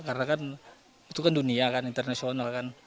karena kan itu kan dunia kan internasional kan